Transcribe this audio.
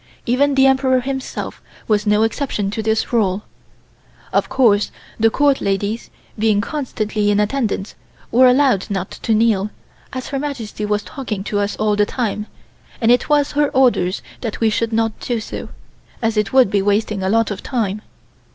Even the Emperor himself was no exception to this rule. Of course the Court ladies, being constantly in attendance, were allowed not to kneel, as Her Majesty was talking to us all the time, and it was her orders that we should not do so, as it would be wasting a lot of time.